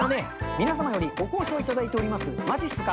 皆様よりご好評いただいておりますまじっすか。